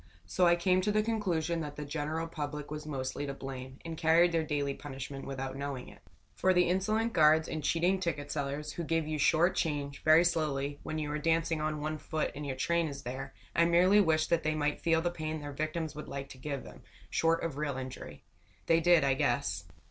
So I came to the conclusion that the general public was mostly to blame, and carried their daily punishment without knowing it. For the insolent guards and cheating ticket sellers who give you short change, very slowly, when you are dancing on one foot and your train is there, I merely wished that they might feel the pain their victims would like to give them, short of real injury. They did, I guess.